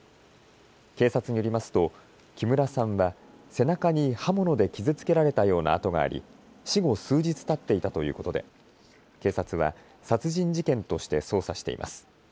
警察によりますと木村さんは背中に刃物で傷つけられたような痕があり死後数日たっていたということで警察は殺人事件として捜査しています。